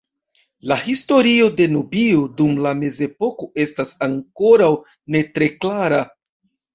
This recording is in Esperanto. La historio de Nubio dum la mezepoko estas ankoraŭ ne tre klara.